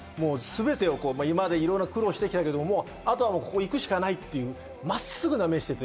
今までいろいろな苦労をしてきたけれど、あとはここ行くしかないというまっすぐな目をしていて。